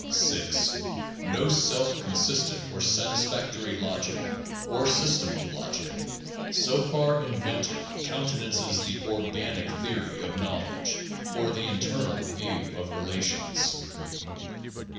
6. No self consistent or satisfactory logic (or system of logic) so far invented countenances the "organic" theory of knowledge or the "internal" view of relations.